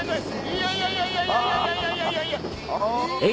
いやいやいやいやいや！